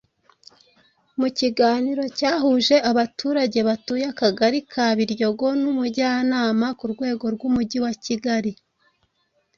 mu kiganiro cyahuje abaturage batuye Akagari ka Biryogo n’umujyanama ku rwego rw’Umujyi wa Kigali